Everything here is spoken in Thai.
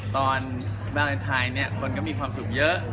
ตอนวาเลนไทยคนก็มีความสุขเยอะ